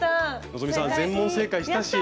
希さん全問正解したし。